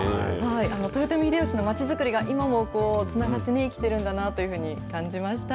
豊臣秀吉の街づくりが、今もつながって生きてるんだなというふうに感じました。